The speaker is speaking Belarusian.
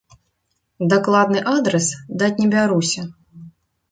Дакладны адрас даць не бяруся.